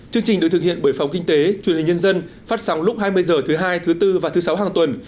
chương trình được thực hiện bởi phòng kinh tế truyền hình nhân dân phát sóng lúc hai mươi h thứ hai thứ bốn và thứ sáu hàng tuần